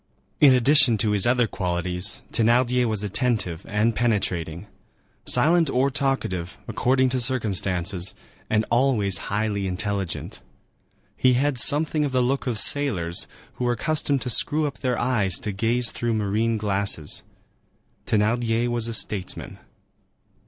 In addition to his other qualities, Thénardier was attentive and penetrating, silent or talkative, according to circumstances, and always highly intelligent. He had something of the look of sailors, who are accustomed to screw up their eyes to gaze through marine glasses. Thénardier was a statesman.